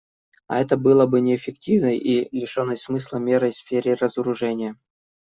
А это было бы неэффективной и лишенной смысла мерой в сфере разоружения.